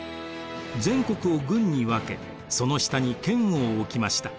全国を郡に分けその下に県を置きました。